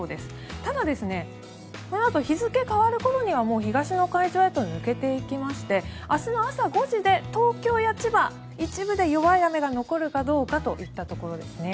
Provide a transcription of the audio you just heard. ただ、このあと日付変わる頃にはもう東の海上へと抜けていきまして明日の朝５時で東京や千葉、一部で弱い雨が残るかどうかといったところですね。